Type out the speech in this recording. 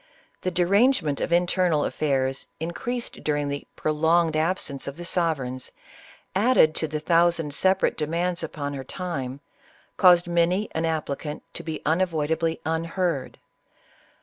The derange ment of internal affairs, increased during the prolonged absence of the sovereigns, added to the thousand sepa rate demands upon her time, caused many an applicant to be unavoidably unheard.